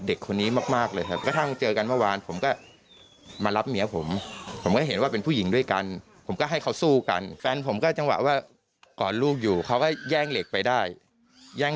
เด็กคนนี้มากเลยครับก็เจอกันเมื่อวานผมก็มารับเมีย